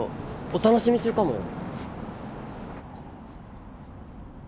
お楽しみ中かもよ？